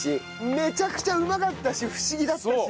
めちゃくちゃうまかったし不思議だったし。